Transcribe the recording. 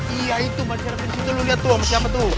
iya itu banserap ini lo lihat tuh sama siapa tuh